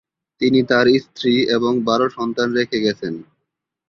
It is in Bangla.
তিনি তাঁর স্ত্রী এবং বারো সন্তান রেখে গেছেন।